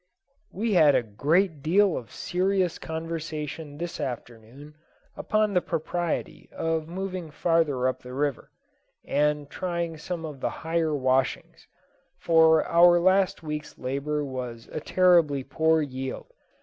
We had a great deal of serious conversation this afternoon upon the propriety of moving farther up the river, and trying some of the higher washings; for our last week's labour was a terribly poor yield.